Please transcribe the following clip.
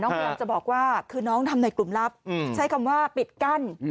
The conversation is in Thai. พยายามจะบอกว่าคือน้องทำในกลุ่มลับใช้คำว่าปิดกั้น